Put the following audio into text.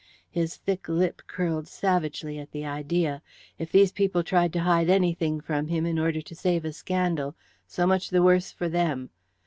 His thick lip curled savagely at the idea. If these people tried to hide anything from him in order to save a scandal, so much the worse for them.